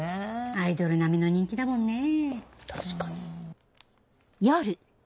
アイドル並みの人気だもんねぇ。